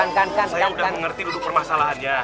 sekarang saya sudah mengerti duduk permasalahannya